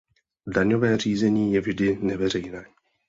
Daňové řízení je vždy neveřejné.